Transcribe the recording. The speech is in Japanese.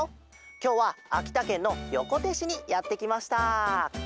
きょうはあきたけんのよこてしにやってきました。